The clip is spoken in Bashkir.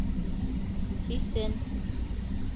Сисен.